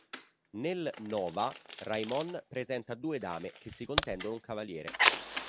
Nel "nova", Raimon presenta due dame che si contendono un cavaliere.